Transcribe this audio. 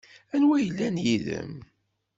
Anwa ay yellan yid-m?